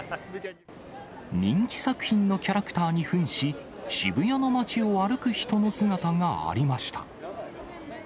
人気作品のキャラクターにふんし、渋谷の街を歩く人の姿がありました。